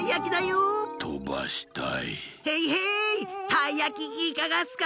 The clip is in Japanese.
たいやきいかがっすか？